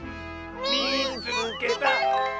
「みいつけた！」。